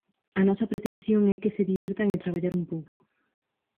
A nosa pretensión é que se divirtan e traballar un pouco.